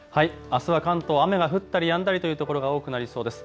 あすは関東、雨が降ったりやんだりという所が多くなりそうです。